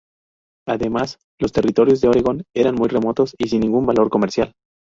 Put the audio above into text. Además, los territorios del Oregón eran muy remotos y sin ningún valor comercial.